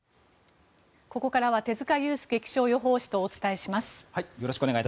ここからは手塚悠介気象予報士とお伝えします。